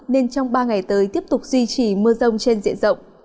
nên trong ba ngày tới tiếp tục duy trì mưa rông trên diện rộng